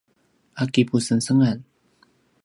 a kipusengsengan